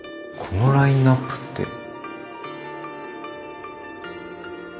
このラインアップって